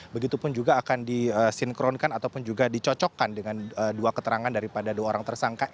begitupun juga akan disinkronkan ataupun juga dicocokkan dengan dua keterangan daripada dua orang tersangka